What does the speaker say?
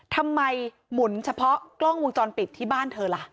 หมุนเฉพาะกล้องวงจรปิดที่บ้านเธอล่ะ